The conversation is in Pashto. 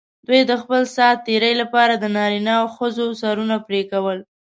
دوی د خپل سات تېري لپاره د نارینه او ښځو سرونه پرې کول.